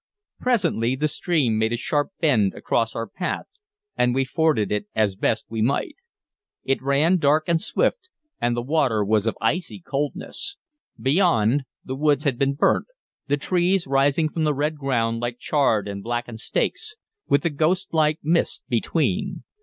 Presently the stream made a sharp bend across our path, and we forded it as best we might. It ran dark and swift, and the water was of icy coldness. Beyond, the woods had been burnt, the trees rising from the red ground like charred and blackened stakes, with the ghostlike mist between.